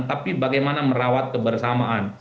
tapi bagaimana merawat kebersamaan